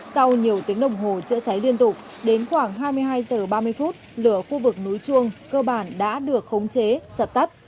sau nhiều tiếng đồng hồ chữa cháy liên tục đến khoảng hai mươi hai h ba mươi phút lửa khu vực núi chuông cơ bản đã được khống chế dập tắt